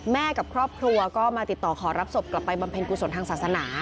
กับครอบครัวก็มาติดต่อขอรับศพกลับไปบำเพ็ญกุศลทางศาสนา